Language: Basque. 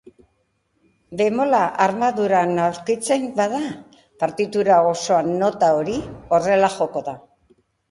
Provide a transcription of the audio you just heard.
Bemola armaduran aurkitzen bada, partitura osoan nota hori horrela joko da.